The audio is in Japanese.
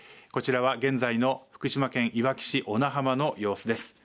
こちらは現在の福島県いわき市小名浜の様子です。